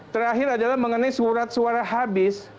terakhir adalah mengenai surat suara habis